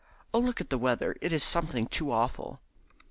"Oh, look at the weather; it is something too awful."